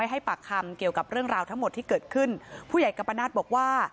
ให้ปากคำเกี่ยวกับเรื่องราวทั้งหมดที่เกิดขึ้นผู้ใหญ่กัปนาศบอกว่า